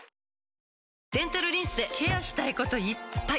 デンタルリンスでケアしたいこといっぱい！